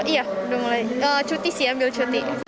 iya sudah mulai cuti sih ya ambil cuti